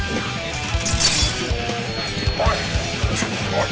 おい！